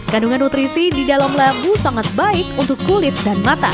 kandungan nutrisi di dalam lambu sangat baik untuk kulit dan mata